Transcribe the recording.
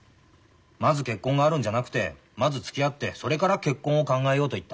まず結婚があるんじゃなくてまずつきあってそれから結婚を考えようと言った。